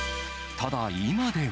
ただ、今では。